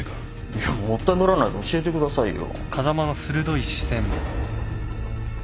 いやもったいぶらないで教えてくださいよ。